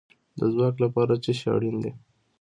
د ځواک لپاره څه شی اړین دی؟